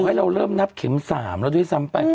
ให้เราเริ่มนับเข็ม๓แล้วด้วยซ้ำไป